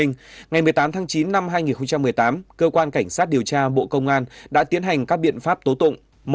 ngày một mươi tám tháng chín năm hai nghìn một mươi tám cơ quan cảnh sát điều tra bộ công an đã tiến hành các biện pháp tố tụng